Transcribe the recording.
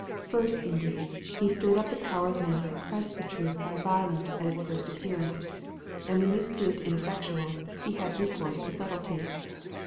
First, indeed, he stirred up the power of men to suppress the truth by violence at its first appearance; and when this proved ineffectual, he had recourse to subtlety.